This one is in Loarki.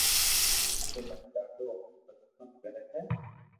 تو مني ڌاڌو اوني پرآݾون ڪري ھي